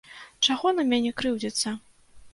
Чаго на мяне крыўдзіцца?